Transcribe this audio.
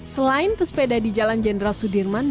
selain pesepeda di jalan jenderal sudirman